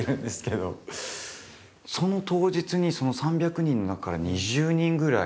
その当日に３００人の中から２０人ぐらい。